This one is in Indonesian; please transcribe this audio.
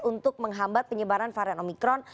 untuk menghambat penyebaran varian omikron